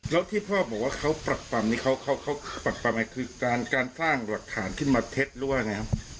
แล้วที่พ่อบอกว่าเขาปรับปรับปรับอะไรคือการสร้างหลักฐานขึ้นมาเท็จด้วยไงครับ